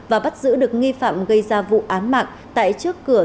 và bắt giữ được nghi phạm gây ra vụ án mạng tại trước cửa